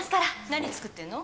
何作ってるの？